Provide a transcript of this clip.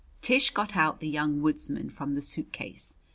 Tish got out the "Young Woodsman" from the suitcase.